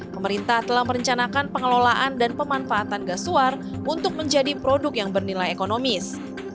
pemerintah telah merencanakan pengelolaan dan pemanfaatan gas suar untuk menjadi produk yang bernilai ekonomis